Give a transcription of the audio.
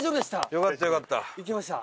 よかったよかった。